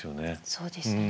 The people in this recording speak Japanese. そうですね。